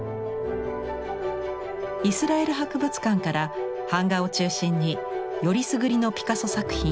イスラエル博物館から版画を中心によりすぐりのピカソ作品